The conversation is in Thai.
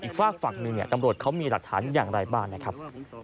ฝากฝั่งหนึ่งตำรวจเขามีหลักฐานอย่างไรบ้างนะครับ